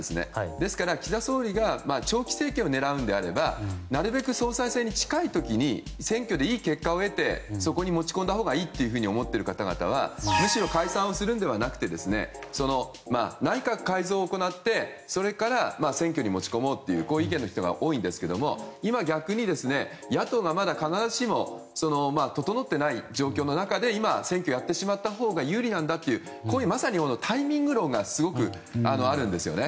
ですから岸田総理が長期政権を狙うのであればなるべく総裁選に近い時に選挙でいい結果を得てそこに持ち込んだほうがいいと思っている方々はむしろ解散をするのではなくて内閣改造を行って、それから選挙に持ち込もうという意見の人が多いんですけど今、逆に野党がまだ必ずしも整っていない状況の中で今、選挙をやってしまったほうが有利なんだというまさにタイミング論がすごくあるんですよね。